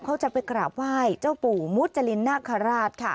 เขาจะไปกราบไหว้เจ้าปู่มุจรินนาคาราชค่ะ